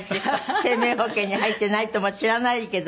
生命保険に入ってないとも知らないけど。